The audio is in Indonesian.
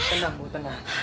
tenang ibu tenang